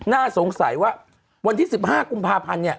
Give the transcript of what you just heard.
น่าสงสัยว่าวันที่๑๕กุมภาพันธ์เนี่ย